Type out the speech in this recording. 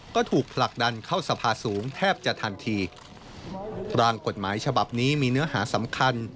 ก็ถูกผลักดันเข้าสภาสูงแทบจะทันทีร่างกฎหมายฉบับนี้มีเนื้อหาสำคัญ